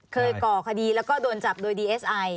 ก่อคดีแล้วก็โดนจับโดยดีเอสไอ